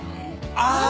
ああ！